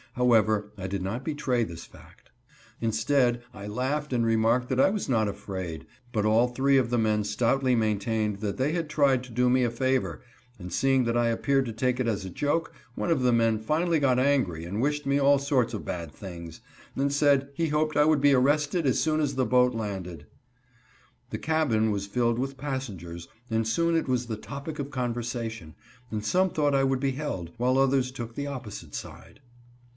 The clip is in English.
However, I did not betray this fact. Instead, I laughed and remarked that I was not afraid; but all three of the men stoutly maintained that they had tried to do me a favor, and seeing that I appeared to take it as a joke, one of the men finally got angry and wished me all sorts of bad things, and said he hoped I would be arrested as soon as the boat landed. The cabin was filled with passengers, and soon it was the topic of conversation, and some thought I would be held, while others took the opposite side.